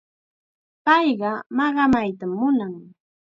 Payqa maqamaytam munan.